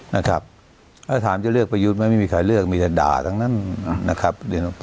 นะครับแล้วถามจะเลือกประยุทธ์ไหมไม่มีใครเลือกมีแต่ด่าทั้งนั้นนะครับ